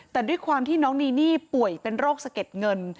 แต่ด้วยความที่น้องนีนี่ป่วยเป็นโรคสะเก็ดเงิน